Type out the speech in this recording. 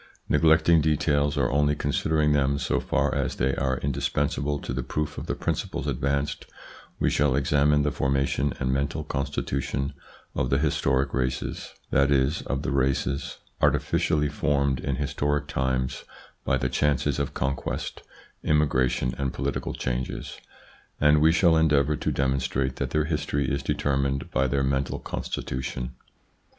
Neglecting details, or only considering them so far as they are indispensable to the proof of the principles advanced, we shall examine the formation and mental constitution of the historic races, that is of the races i* xviii INTRODUCTION > jff artificially formed in historic times by the chances of conquest, immigration and political changes, and we shall endeavour to demonstrate that their history is determined by their mental constitution.